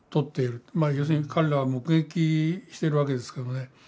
まあ要するに彼らは目撃してるわけですからね。